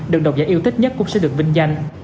được độc giả yêu thích nhất cũng sẽ được vinh danh